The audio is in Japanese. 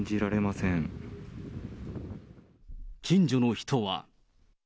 近所の人は。